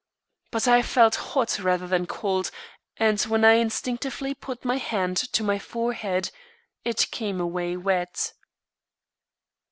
But I felt hot rather than cold, and when I instinctively put my hand to my forehead, it came away wet.